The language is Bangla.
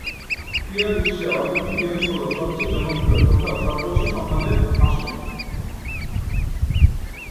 ক্রীড়াবিশ্বে অলিম্পিক গেমস হলো সবচেয়ে জনপ্রিয় তথা সর্বোচ্চ সম্মানের আসন।